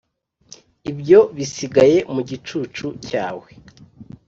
ibyo bisigaye mu gicucu cyawe